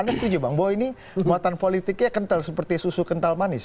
anda setuju bang bahwa ini muatan politiknya kental seperti susu kental manis